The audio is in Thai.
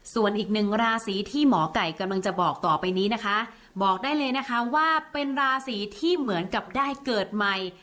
ส่วนอีกหนึ่งราศีที่หมอไก่กำลังจะบอกต่อไปนี้นะคะบอกได้เลยนะคะว่าเป็นราศีที่เหมือนกับได้เกิดใหม่